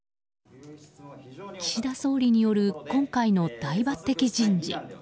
岸田総理による今回の大抜擢人事。